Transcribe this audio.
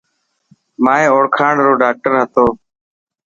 مائي اوڙکاڻ رو ڊاڪٽر هتو.